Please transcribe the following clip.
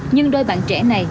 nhưng đôi bạn trẻ này